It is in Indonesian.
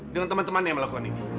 dengan teman teman yang melakukan ini